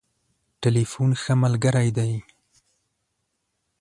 ټليفون ښه ملګری دی.